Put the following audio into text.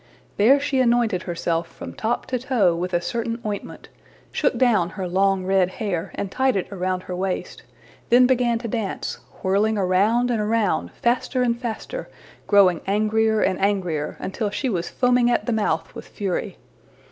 There she anointed herself from top to toe with a certain ointment; shook down her long red hair, and tied it around her waist; then began to dance, whirling around and around faster and faster, growing angrier and angrier, until she was foaming at the mouth with fury.